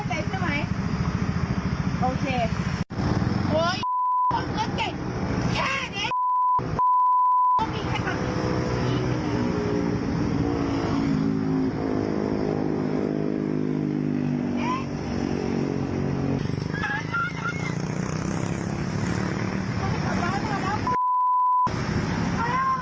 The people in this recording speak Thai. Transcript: พวกสังบาปพวกเจ้าข้าวพาให้น่าล้ำเตาไอ้โอ้ย